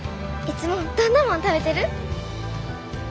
いつもどんなもの食べてる？